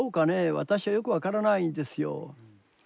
私はよく分からないんですよ。